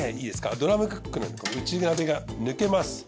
ドラムクックの内鍋が抜けます。